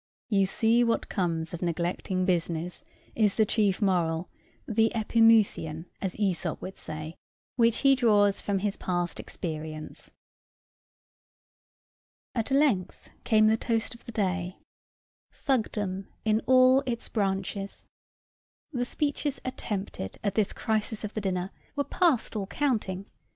'You see what comes of neglecting business,' is the chief moral, the [Greek: epimutheon], as Æsop would say, which he draws from his past experience." At length came the toast of the day Thugdom in all its branches. The speeches attempted at this crisis of the dinner were past all counting.